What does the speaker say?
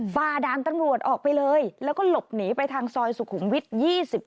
ฝ่าด่านตำรวจออกไปเลยแล้วก็หลบหนีไปทางซอยสุขุมวิทย์๒๗